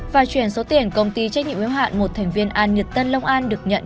và chuyển số tiền công ty trách nhiệm yếu hạn một thành viên an nhật tân long an được nhận